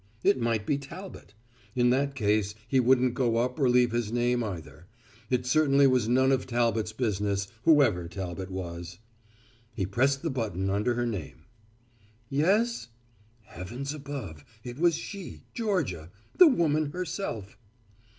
It might be Talbot. In that case he wouldn't go up or leave his name either. It certainly was none of Talbot's business, whoever Talbot was. He pressed the button under her name. "Yes?" Heavens above, it was she, Georgia, the woman herself.